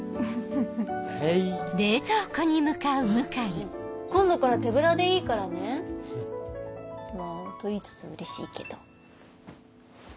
ねぇ今度から手ぶらでいいからね？と言いつつうれしいけど。